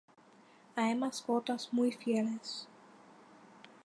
Hay mascotas muy fieles.